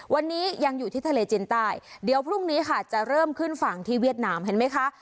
วันนี้ยังอยู่ที่ทะเลจีนใต้เดี๋ยวพรุ่งนี้ค่ะจะเริ่มขึ้นฝั่งที่เวียดนามเห็นไหมคะ